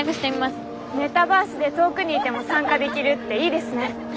メタバースで遠くにいても参加できるっていいですね。